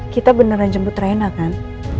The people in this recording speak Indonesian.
kita beneran jemput reina kan